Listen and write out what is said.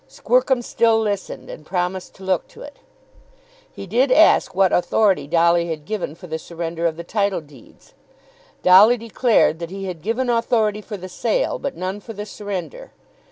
Squercum still listened, and promised to look to it. He did ask what authority Dolly had given for the surrender of the title deeds. Dolly declared that he had given authority for the sale, but none for the surrender.